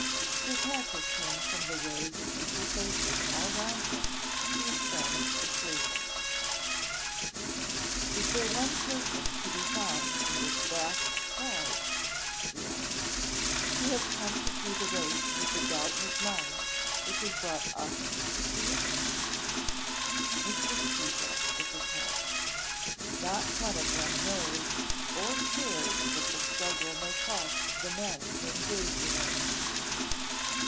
Sir Patrick turned from the rows of eager faces all round him to his friend the surgeon. "Is there one person to be found in this vast crowd," he asked, "who has come to see the race with the doubt in his mind which has brought us to see it?" Mr. Speedwell shook his head. "Not one of them knows or cares what the struggle may cost the men who engage in it."